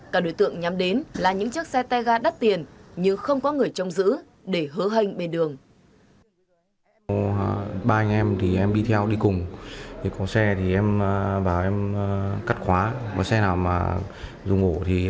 cả đối tượng nhắm đến là những chiếc xe tega đắt tiền nhưng không có người trông giữ để hứa hênh bên đường